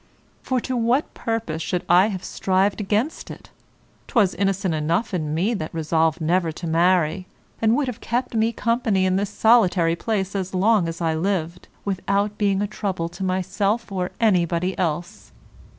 For to what purpose should I have strived against it? 'Twas innocent enough in me that resolved never to marry, and would have kept me company in this solitary place as long as I lived, without being a trouble to myself or anybody else.